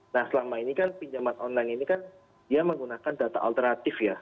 nah selama ini kan pinjaman online ini kan dia menggunakan data alternatif ya